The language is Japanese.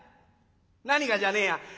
何がじゃねえや。